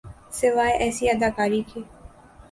سوائے ایسی اداکاری کے۔